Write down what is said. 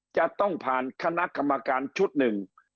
จะต้องผ่านคณะกรรมการชุดหนึ่ง